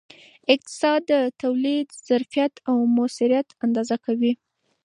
اقتصاد د تولید ظرفیت او موثریت اندازه کوي.